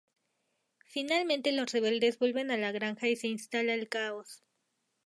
Finalmente los rebeldes vuelven a la granja y se instala el caos.